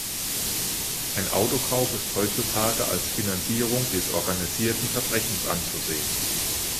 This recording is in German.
Ein Autokauf ist heutzutage als Finanzierung des organisierten Verbrechens anzusehen.